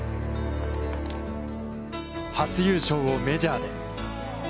初優勝をメジャーで。